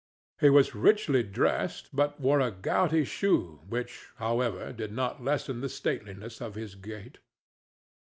He was richly dressed, but wore a gouty shoe, which, however, did not lessen the stateliness of his gait.